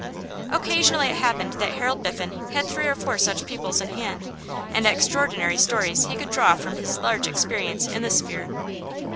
Occasionally it happened that Harold Biffen had three or four such pupils in hand, and extraordinary stories he could draw from his large experience in this sphere.